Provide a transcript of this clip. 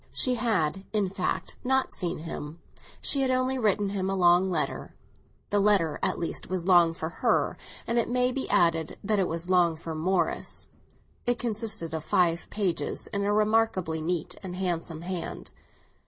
She had, in fact, not seen him, she had only written him a long letter. The letter at least was long for her; and, it may be added, that it was long for Morris; it consisted of five pages, in a remarkably neat and handsome hand.